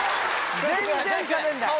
・全然しゃべんない。